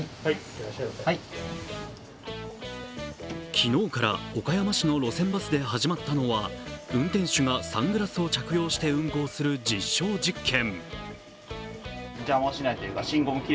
昨日から岡山市の路線バスで始まったのは、運転手がサングラスを着用して運行する実証実験。